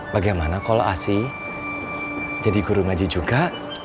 bagaimana kalau asi jadi guru ngaji juga